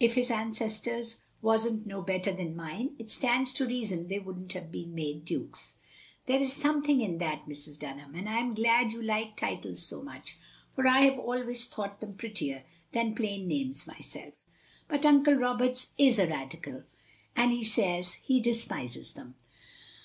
If his ancestors was n't no better than mine it stands to reason they would n't have been made Dukes." "There is something in that, Mrs. Dtinham, and I 'm rather glad you like titles so much, for I have always thought them prettier than plain names myself. But Uncle Roberts is a Radical, and he says he despises them.